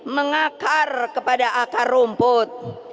mengakar kepada akar rumput